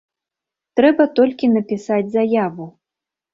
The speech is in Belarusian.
Трэба толькі напісаць заяву.